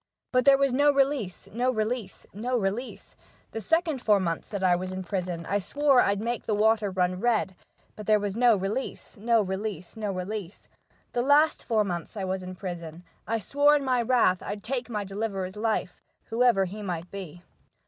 But there was no release, no release, no release. The second four months that I was in prison, I swore I'd make the water run red, But there was no release, no release, no release. The last four months that I was in prison, I swore in my wrath I'd take my deliverer's life, Whoever he might be."